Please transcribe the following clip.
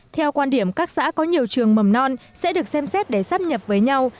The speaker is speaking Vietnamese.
theo quan điểm các xã có nhiều trường bầm non sẽ được xem xét để sát nhập với nhau